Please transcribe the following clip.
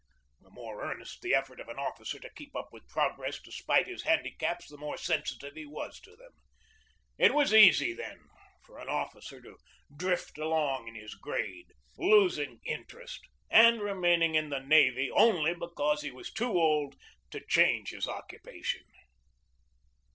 The more earnest the effort of an officer to keep up with progress despite his handicaps, the more sensitive he was to them. It was easy then for an officer to drift along in his grade, losing in terest and remaining in the navy only because he was too old to change his occupation.